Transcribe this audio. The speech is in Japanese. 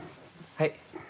はい。